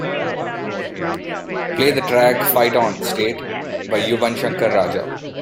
Play the track Fight On, State by Yuvan Shankar Raja